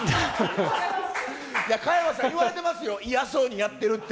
加山さん、言われてますよ、嫌そうにやってるって。